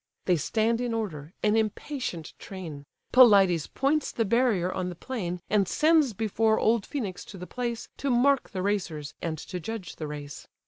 They stand in order, an impatient train: Pelides points the barrier on the plain, And sends before old Phœnix to the place, To mark the racers, and to judge the race.